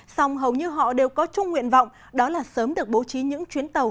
song hầu như họ đều có chung nguyện vọng đó là sớm được bố trí những chuyến tàu